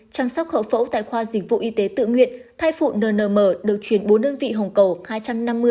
chăm sóc khẩu phẫu tại khoa dịch vụ y tế tự nguyện thai phụ nnm được chuyển bốn ơn vị hồng cầu